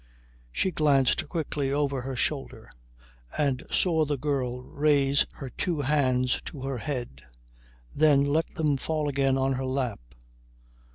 She glanced quickly over her shoulder and saw the girl raise her two hands to her head, then let them fall again on her lap.